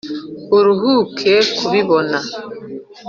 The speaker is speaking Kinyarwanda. Uruhuke kubibona.